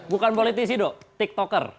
bukan politisi dok tiktoker